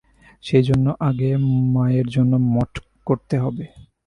সেইজন্য আগে মায়ের জন্য মঠ করতে হবে।